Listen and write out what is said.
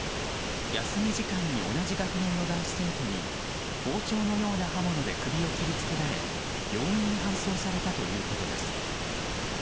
休み時間に同じ学年の男子生徒に包丁のような刃物で首を切り付けられ病院に搬送されたということです。